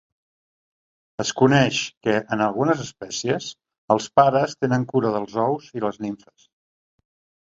Es coneix que, en algunes espècies, els pares tenen cura dels ous i les nimfes.